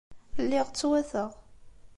Lliɣ ttwateɣ.